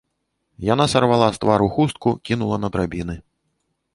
Яна сарвала з твару хустку, кінула на драбіны.